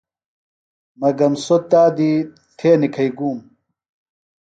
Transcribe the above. مگم سوۡ تادیۡ تھےۡ نِکھئیۡ گُوۡم۔